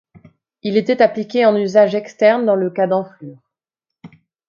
Il était appliqué en usage externe dans le cas d'enflures.